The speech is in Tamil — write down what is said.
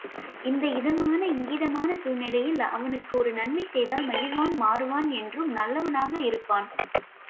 இந்த இதமான இங்கிதமான சூழ்நிலையில் அவனுக்கு ஒரு நன்மை செய்தால் மகிழ்வான் மாறுவான் என்றும் நல்லவனாக இருப்பான்.